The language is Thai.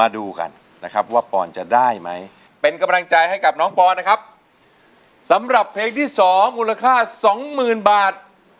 ได้ไหมเป็นกำลังใจให้กับน้องปอนด์นะครับสำหรับเพลงที่สองมูลค่าสองหมื่นบาท